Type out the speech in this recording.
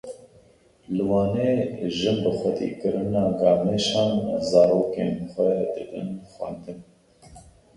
Li Wanê jin bi xwedîkirina gamêşan zarokên xwe didin xwendin.